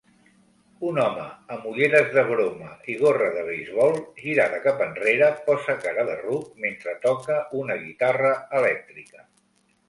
Un home amb ulleres de broma i gorra de beisbol girada cap enrere, posa cara de ruc mentre toca una guitarra elèctrica